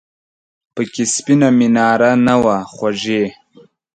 پکې سپینه میناره نه وه خوږې !